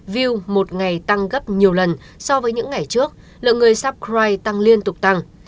view một ngày tăng gấp nhiều lần so với những ngày trước lượng người suprite tăng liên tục tăng